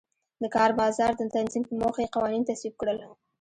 د کار بازار د تنظیم په موخه یې قوانین تصویب کړل.